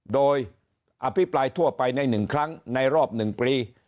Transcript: โดยอภิปรายทั่วไปใน๑ครั้งในรอบ๑ปี